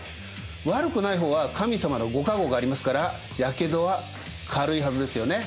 悪くない方は神様の御加護がありますからやけどは軽いはずですよね。